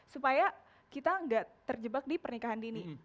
supaya kita nggak terjebak di pernikahan dini